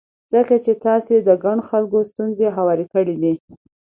ځکه چې تاسې د ګڼو خلکو ستونزې هوارې کړې دي.